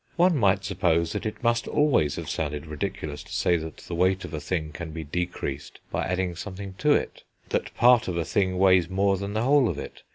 One might suppose that it must always have sounded ridiculous to say that the weight of a thing can be decreased by adding something to it, that part of a thing weighs more than the whole of it.